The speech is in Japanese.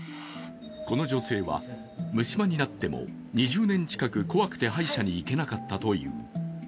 この女性は、虫歯になっても２０年近く怖くて歯医者に行けなかったという。